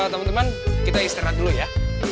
teman teman kita istirahat dulu ya